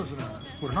これ何？